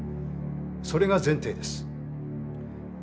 それが前提です。